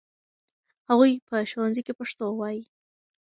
هغوی په ښوونځي کې پښتو وايي.